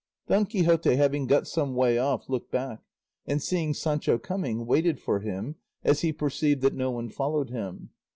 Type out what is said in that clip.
Don Quixote having got some way off looked back, and seeing Sancho coming, waited for him, as he perceived that no one followed him.